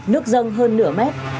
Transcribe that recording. nước dâng hơn nửa mét